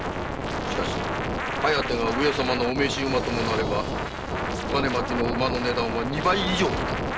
しかし「疾風」が上様の御召馬となれば小金牧の馬の値段は二倍以上になるのだ。